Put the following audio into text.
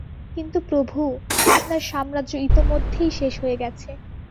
কিন্তু প্রভু, আপনার সাম্রাজ্য ইতোমধ্যেই শেষ হয়ে গেছে।